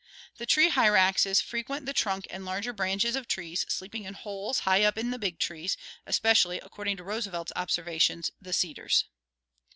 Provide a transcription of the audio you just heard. The tree hyraxes frequent the trunk and larger branches of trees, sleeping in holes high up in the big trees, especially, ac cording to Roosevelt's observations, the cedars.